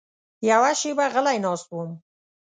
یوه شېبه غلی ناست وم.